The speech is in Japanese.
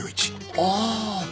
ああ。